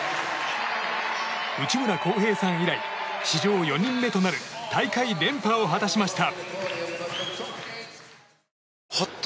内村航平さん以来史上４人目となる大会連覇を果たしました。